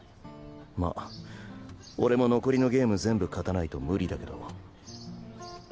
まぁ俺も残りのゲーム全部勝たないと無理だけど。